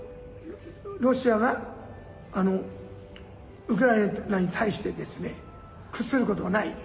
ロシアがウクライナに対してですね、屈することはない。